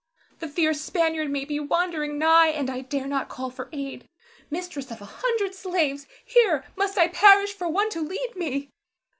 The fierce Spaniard may be wandering nigh, and I dare not call for aid. Mistress of a hundred slaves, here must I perish for one to lead me.